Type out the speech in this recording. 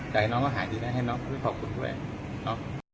ให้มันหายไปแล้วให้มันควบคุมกันกัน